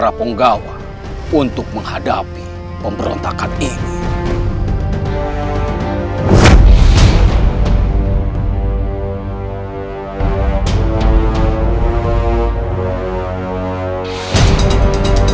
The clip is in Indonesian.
tapi tanggapnya dia sangat jauh seperti datang dari belakang merata